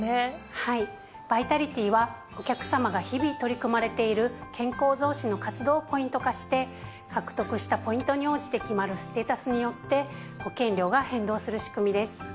はい「Ｖｉｔａｌｉｔｙ」はお客様が日々取り組まれている健康増進の活動をポイント化して獲得したポイントに応じて決まるステータスによって保険料が変動する仕組みです。